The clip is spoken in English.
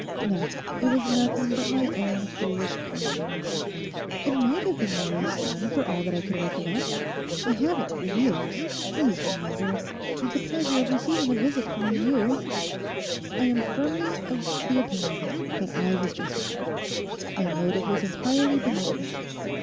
No, it was nothing but my own foolish kindliness. It might have been Mary's son for all that I could recollect. I haven't for years, please remember, had the pleasure of receiving a visit from you. I am firmly of opinion that I was justified. My motive was entirely benevolent.